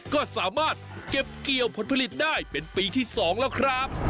ก็สามารถเก็บเกี่ยวผลผลิตได้เป็นปีที่๒แล้วครับ